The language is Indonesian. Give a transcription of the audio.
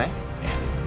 gak pak gak apa apa